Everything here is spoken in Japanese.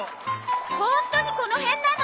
ホントにこの辺なの？